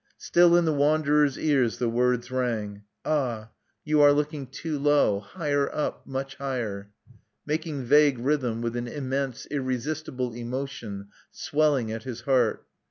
Still in the wanderer's ears the words rang, "Ah! you are looking too low! higher up much higher!" making vague rhythm with an immense, irresistible emotion swelling at his heart.